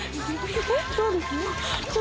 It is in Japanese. どうです？